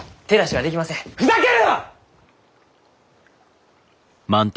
ふざけるな！